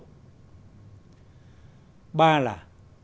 ba nguyên liệu